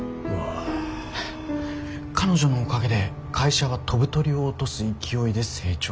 彼女のおかげで会社は飛ぶ鳥を落とす勢いで成長。